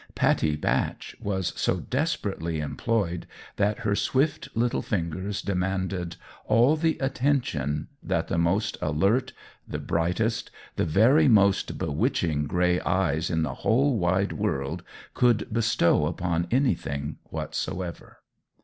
Pattie Batch was so desperately employed that her swift little fingers demanded all the attention that the most alert, the brightest, the very most bewitching gray eyes in the whole wide world could bestow upon anything whatsoever.